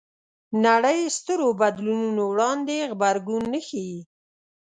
نړۍ سترو بدلونونو وړاندې غبرګون نه ښيي